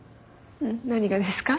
何がですか？